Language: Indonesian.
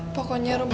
yang kalau si desa